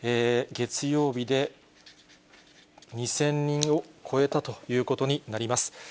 月曜日で２０００人を超えたということになります。